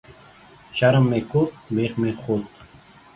شرم مې کوت ، بيخ مې خوت